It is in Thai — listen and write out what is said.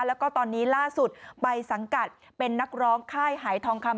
แล้วก็ตอนนี้ล่าสุดไปสังกัดเป็นนักร้องค่ายหายทองคำ